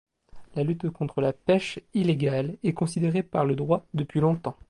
La lutte contre la pêche illégale est considérée par le droit depuis longtemps.